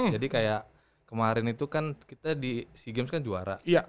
jadi kayak kemarin itu kan kita di sea games kan juara